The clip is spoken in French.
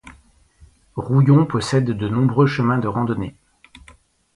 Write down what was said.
Rouillon possède de nombreux chemins de randonnées.